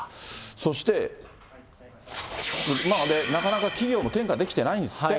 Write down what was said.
そして、なかなか企業も転嫁できてないんですって。